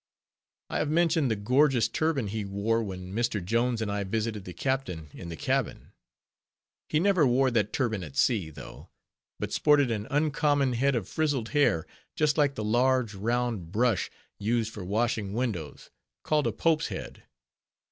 I have mentioned the gorgeous turban he wore when Mr. Jones and I visited the captain in the cabin. He never wore that turban at sea, though; but sported an uncommon head of frizzled hair, just like the large, round brush, used for washing windows, called a _Pope's Head.